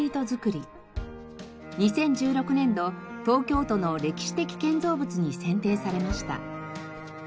２０１６年度東京都の歴史的建造物に選定されました。